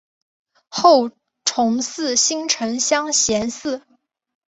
后崇祀新城乡贤祠。